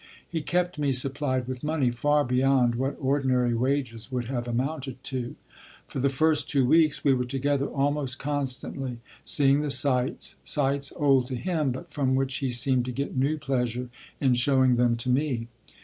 He kept me supplied with money far beyond what ordinary wages would have amounted to. For the first two weeks we were together almost constantly, seeing the sights, sights old to him, but from which he seemed to get new pleasure in showing them to me.